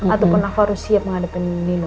ataupun aku harus siap menghadapi nino